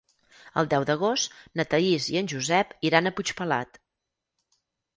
El deu d'agost na Thaís i en Josep iran a Puigpelat.